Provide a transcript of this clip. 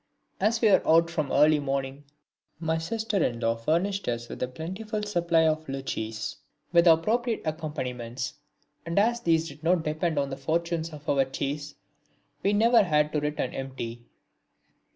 As we were out from early morning, my sister in law furnished us with a plentiful supply of luchis with appropriate accompaniments; and as these did not depend upon the fortunes of our chase we never had to return empty.